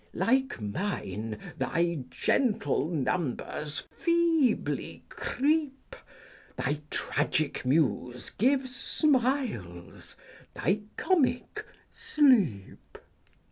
Like mine, thy gentle numbers feebly creep ; Thy tragic muse gives smiles, thy comic sleep.